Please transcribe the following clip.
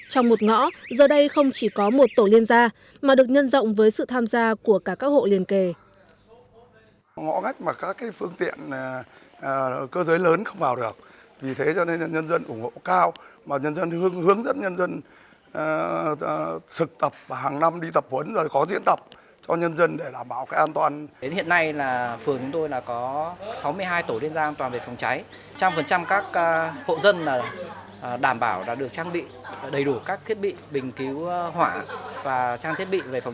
trong một ngõ giờ đây không chỉ có một tổ liên gia mà được nhân rộng với sự tham gia của cả các hộ liên kề